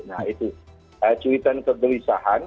nah itu cuitan kegelisahan